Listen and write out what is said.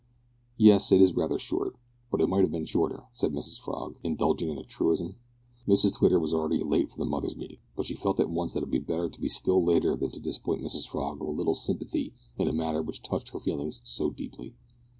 "Yes, it's rather short, but it might have been shorter," said Mrs Frog, indulging in a truism. Mrs Twitter was already late for the mothers' meeting, but she felt at once that it would be better to be still later than to disappoint Mrs Frog of a little sympathy in a matter which touched her feelings so deeply.